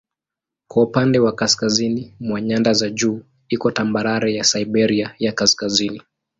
Kwa upande wa kaskazini mwa nyanda za juu iko tambarare ya Siberia ya Kaskazini.